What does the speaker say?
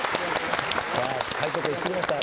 さあ解答権が移りました。